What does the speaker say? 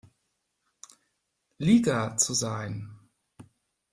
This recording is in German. Liga zu sein.